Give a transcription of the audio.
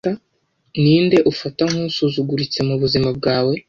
ninde ufata nk’usuzuguritse mubuzima bwawe